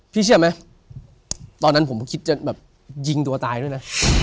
เชื่อไหมตอนนั้นผมคิดจะแบบยิงตัวตายด้วยนะ